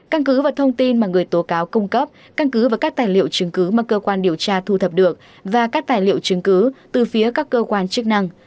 căn cứ và thông tin mà người tố cáo cung cấp căn cứ và các tài liệu chứng cứ mà cơ quan điều tra thu thập được và các tài liệu chứng cứ từ phía các cơ quan chức năng